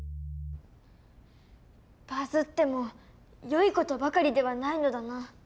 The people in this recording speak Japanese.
バズってもよいことばかりではないのだな。